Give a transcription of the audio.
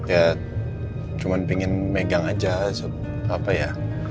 ya cuman pingin megang aja apa ya